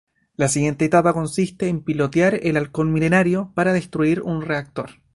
La siguiente etapa consiste en pilotar el Halcón Milenario para destruir un reactor.